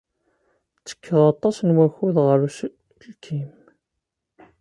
Ttekkeɣ aṭas n wakud ɣer uselkim.